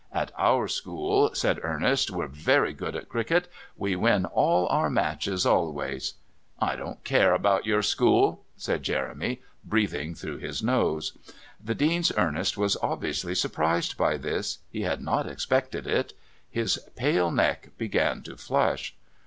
"At our school," said Ernest, "we're very good at cricket. We win all our matches always " "I don't care about your school," said Jeremy, breathing through his nose. The Dean's Ernest was obviously surprised by this; he had not expected it. His pale neck began to flush.